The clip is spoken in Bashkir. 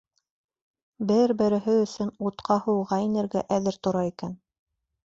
Бер-береһе өсөн утҡа-һыуға инергә әҙер тора икән.